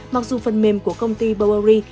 mặc dù phần mềm của công ty bowery